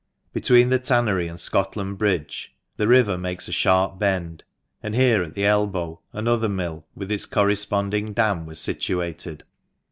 Between the tannery and Scotland Bridge the river makes a sharp bend ; and here, at the elbow, another mill, with its corresponding dam, was situated.